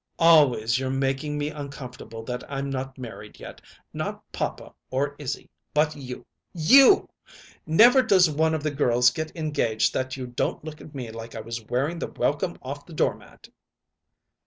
"Always you're making me uncomfortable that I'm not married yet not papa or Izzy, but you you! Never does one of the girls get engaged that you don't look at me like I was wearing the welcome off the door mat."